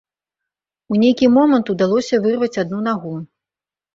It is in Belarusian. У нейкі момант удалося вырваць адну нагу.